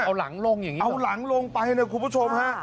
เอาหลังลงอย่างนี้เอาหลังลงไปนะคุณผู้ชมฮะ